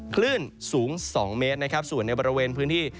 คลื่นสูง๒เมตรนะครับส่วนในบริเวณพื้นที่